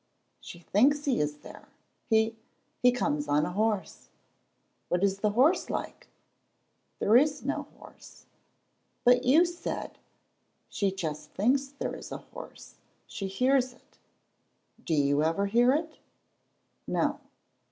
"She thinks he is there. He he comes on a horse." "What is the horse like?" "There is no horse." "But you said " "She just thinks there is a horse. She hears it." "Do you ever hear it?" "No."